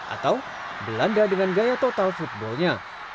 atau belanda dengan gaya total footballnya